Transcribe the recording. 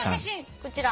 こちら。